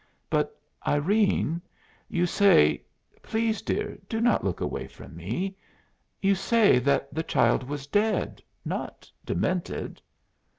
"But, Irene, you say please, dear, do not look away from me you say that the child was dead, not demented."